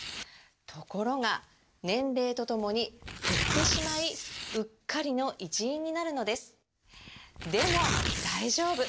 ところが年齢とともに減ってしまいうっかりの一因になるのですでも大丈夫！